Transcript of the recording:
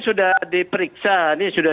sudah diperiksa ini sudah